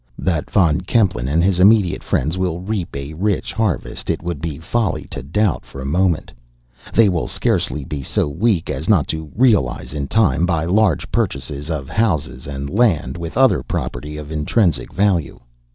That Von Kempelen and his immediate friends will reap a rich harvest, it would be folly to doubt for a moment. They will scarcely be so weak as not to 'realize,' in time, by large purchases of houses and land, with other property of intrinsic value.